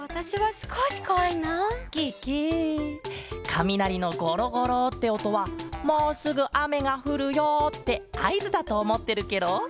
かみなりのゴロゴロっておとは「もうすぐあめがふるよ」ってあいずだとおもってるケロ。